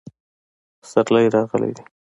پسرلی راغلی دی